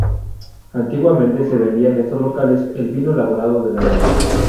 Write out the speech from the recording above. Antiguamente se vendía en estos locales el vino elaborado del año.